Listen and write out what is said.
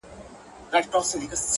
• نه په ژوندون وه پر چا راغلي ,